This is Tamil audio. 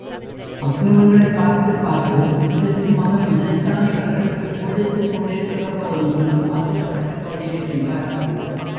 அக்ரமங்களைப் பார்த்துப் பார்த்து கிருஸ்து மதம் இதைத்தான் இவர்களுக்குப் போதித்துக் கொண்டிருக்கிறதோ என்று ஆத்திரப்பட்டுக் கொண்டிருக்கின்றார்.